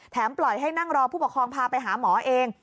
ปล่อยให้นั่งรอผู้ปกครองพาไปหาหมอเอง